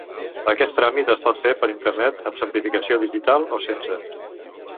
Aquest tràmit es pot fer per internet amb certificat digital o sense.